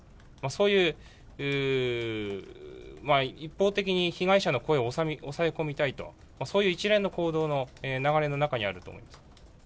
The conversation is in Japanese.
そういう一方的に被害者の声を抑え込みたいと、そういう一連の行動の流れの中にあると思うんです。